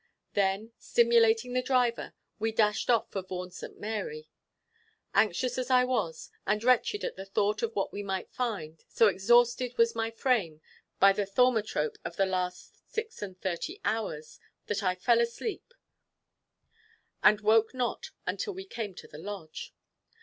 Then, stimulating the driver, we dashed off for Vaughan St. Mary. Anxious as I was, and wretched at the thought of what we might find, so exhausted was my frame by the thaumatrope of the last six and thirty hours, that I fell fast asleep, and woke not until we came to the lodge.